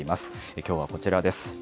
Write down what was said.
きょうはこちらです。